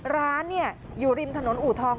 ร้านเนี่ยอยู่ริมถนนอุทอง